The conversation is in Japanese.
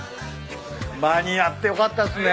間に合ってよかったっすね。